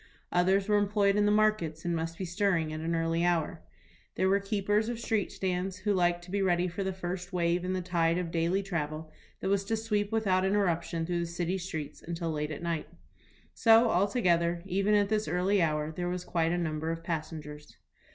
Others were employed in the markets and must be stirring at an early hour. There were keepers of street stands, who liked to be ready for the first wave in the tide of daily travel that was to sweep without interruption through the city streets until late at night. So, altogether, even at this early hour there was quite a number of passengers.